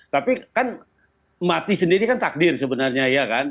tapi kan mati sendiri kan takdir sebenarnya ya kan